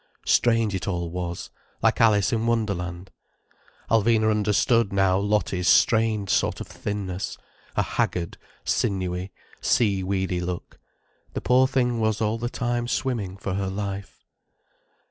Strange it all was, like Alice in Wonderland. Alvina understood now Lottie's strained sort of thinness, a haggard, sinewy, sea weedy look. The poor thing was all the time swimming for her life.